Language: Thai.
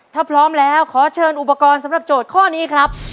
ถ้าพร้อมแล้วขอเชิญอุปกรณ์สำหรับโจทย์ข้อนี้ครับ